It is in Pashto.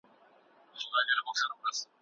که ماشوم ته مینه ورکړو، نو هغه به د ټولنې برخه وي.